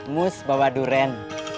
mus bawa durian